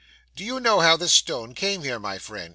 'Do you know how this stone came here, my friend?